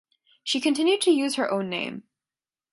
She continued to use her own name.